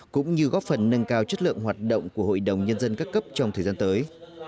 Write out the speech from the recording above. cũng như góp phần nâng cao chất lượng hoạt động của hội đồng nhân dân các cấp trong thời gian tới